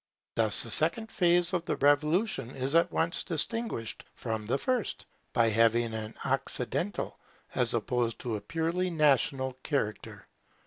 Thus the second phase of the Revolution is at once distinguished from the first, by having an Occidental, as opposed to a purely National, character.